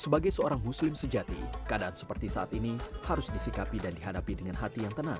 sebagai seorang muslim sejati keadaan seperti saat ini harus disikapi dan dihadapi dengan hati yang tenang